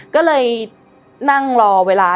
ก็เลยนั่งรอเวลา